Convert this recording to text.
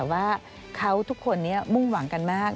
ว่าเขาทุกคนมุ่งหวังกันมาก